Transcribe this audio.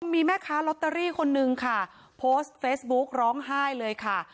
มีแม่ค้าลอตเตอรี่คนนึงค่ะโพสต์เฟซบุ๊กร้องไห้เลยค่ะ